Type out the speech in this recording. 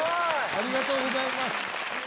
ありがとうございます。